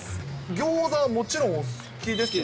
ギョーザはもちろんお好きですよ